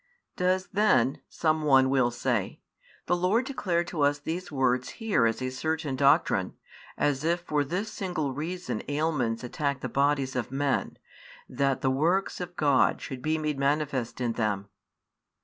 |13 Does then, some one will say, the Lord declare to us these words here as a certain doctrine, as if for this single reason ailments attack the bodies of men, that the works of God should be made manifest in them?